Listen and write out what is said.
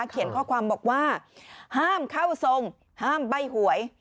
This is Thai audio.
เขียนข้อความบอกว่าห้ามเข้าทรงห้ามใบ้หวย